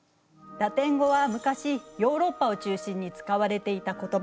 ラテン語は昔ヨーロッパを中心に使われていた言葉。